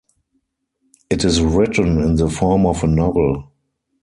It is written in the form of a novel.